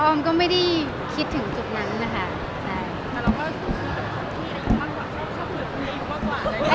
ก็ออมก็ไม่ได้คิดถึงจุดนั้นนะคะ